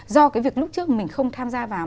do cái việc lúc trước mình không tham gia vào